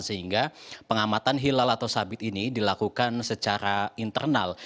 sehingga pengamatan hilal atau sabit ini dilakukan secara internal